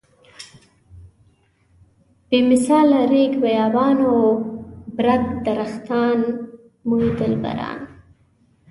بمثال ريګ بيابان و برګ درختان موی دلبران.